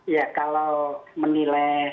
ya kalau menilai